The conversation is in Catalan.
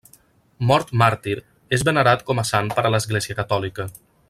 Mort màrtir, és venerat com a sant per l'Església catòlica.